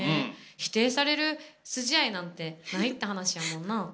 否定される筋合いなんてないって話やもんな。